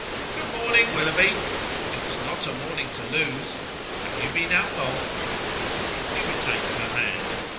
"Good morning, Willoughby; it was not a morning to lose: have you been out long?" He retained her hand.